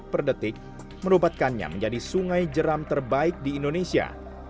per detik merupakannya menjadi sungai jeram terbaik di indonesia